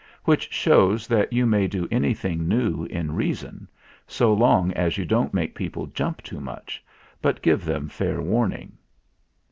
Which shows that you may do anything new in reason, so long as you don't make people jump too much, but give them fair warning.